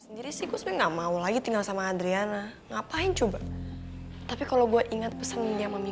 sendiri sih gue nggak mau lagi tinggal sama adriana ngapain coba tapi kalau gue ingat pesannya mami